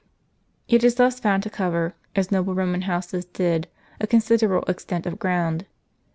It is thus found to covei , as noble Roman houses did, a considerable extent of ground.